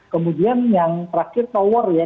kemudian yang terakhir tower ya